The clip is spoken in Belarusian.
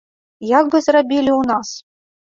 Як бы зрабілі ў нас?